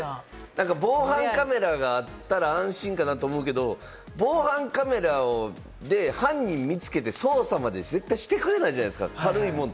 防犯カメラがあったら安心かなと思うけれども、防犯カメラで犯人見つけて、捜査まで絶対してくれないじゃないですか。